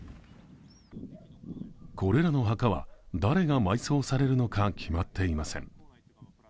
これらの墓は、誰が埋葬されるのか決まっていません。